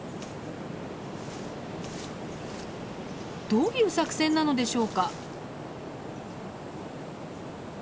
どういう作戦なのでしょうか？